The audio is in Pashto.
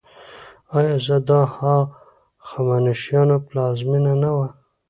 آیا دا د هخامنشیانو پلازمینه نه وه؟